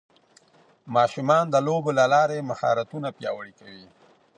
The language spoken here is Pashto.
ماشومان د لوبو له لارې مهارتونه پیاوړي کوي